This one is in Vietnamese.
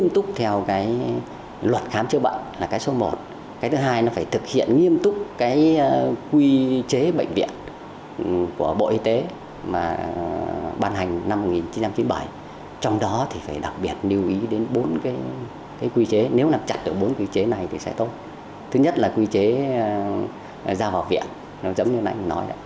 thứ nhất là quy chế giao vào viện nó giống như nãy mình nói đấy